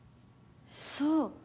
そう。